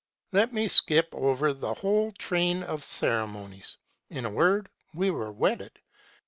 " Let me skip over the whole train of ceremonies : in a word, we were wedded.